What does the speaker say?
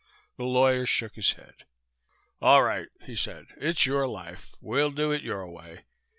The lawyer shook his head. "All right," he said, "it's your life. We'll do it your way.